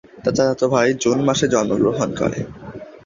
তার চাচাতো ভাই জুন মাসে জন্মগ্রহণ করে।